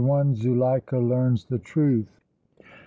ZULEIKA LEARNS THE TRUTH.